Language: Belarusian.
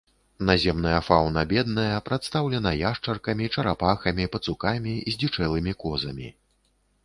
Наземная фаўна бедная, прадстаўлена яшчаркамі, чарапахамі, пацукамі, здзічэлымі козамі.